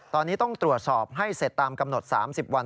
ตอนนี้ต้องตรวจสอบให้เสร็จตามกำหนด๓๐วัน